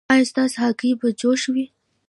ایا ستاسو هګۍ به جوش وي؟